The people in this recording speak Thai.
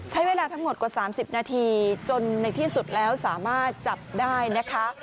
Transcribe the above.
ใช้เวลาทั้งหมดกว่า๓๐นาทีจนในที่สุดแล้วสามารถจับได้นะคะ